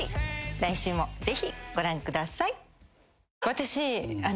来週もぜひご覧ください。